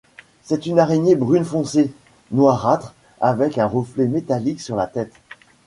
C'est une araignée brune foncée, noirâtre avec un reflet métallique sur la tête.